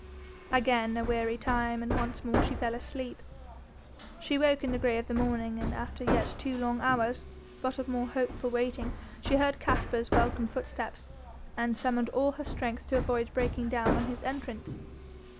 Again a weary time, and once more she fell asleep. She woke in the grey of the morning, and after yet two long hours, but of more hopeful waiting, she heard Caspar's welcome footsteps, and summoned all her strength to avoid breaking down on his entrance.